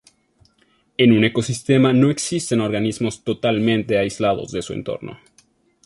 En un ecosistema no existen organismos totalmente aislados de su entorno.